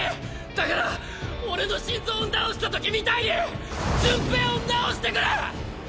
だから俺の心臓を治したときみたいに順平を治してくれ！